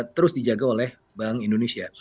terus dijaga oleh bank indonesia